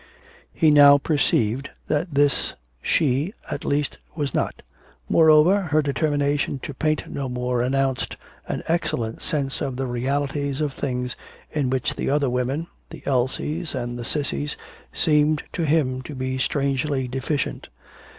He now perceived that this she at least was not moreover, her determination to paint no more announced, an excellent sense of the realities of things in which the other women the Elsies and the Cissys seemed to him to be strangely deficient.